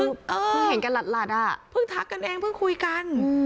เพิ่งเห็นกันหลัดอ่ะเพิ่งทักกันเองเพิ่งคุยกัน